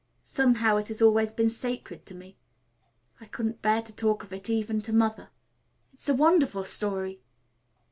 Somehow it has always been sacred to me. I couldn't bear to talk of it, even to Mother." "It's a wonderful story.